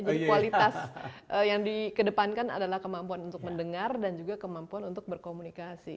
jadi kualitas yang dikedepankan adalah kemampuan untuk mendengar dan juga kemampuan untuk berkomunikasi